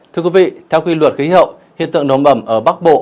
thưa quý vị theo quy luật khí hậu hiện tượng nổ mẩm ở bắc bộ